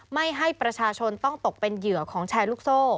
ไม่ให้ประชาชนต้องตกเป็นเหยื่อของแชร์ลูกโซ่